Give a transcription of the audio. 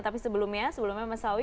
tapi sebelumnya sebelumnya mas sawi